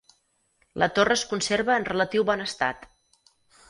La torre es conserva en relatiu bon estat.